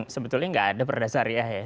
sebetulnya nggak ada perda syariah ya